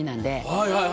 はいはい。